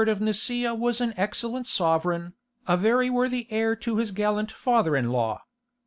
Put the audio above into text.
of Nicaea was an excellent sovereign, a very worthy heir to his gallant father in law.